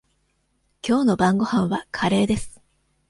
きょうの晩ごはんはカレーです。